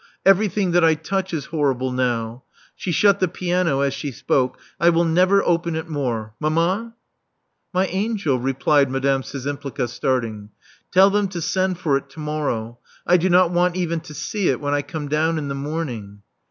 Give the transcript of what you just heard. Everything that I touch is horrible now. She shut the piano as she spoke. '*! will never open it more. Manama." My angel," replied Madame Szczympliga, starting. "Tell them to send for it to morrow. I do not want even to see it when I come down in the morn ing."